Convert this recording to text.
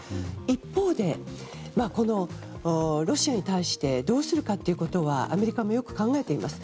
一方で、ロシアに対してどうするかということはアメリカもよく考えています。